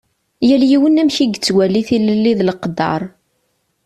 Yal yiwen amek i yettwali tilelli d leqder.